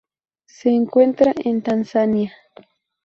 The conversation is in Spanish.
Se encuentra en Tanzania.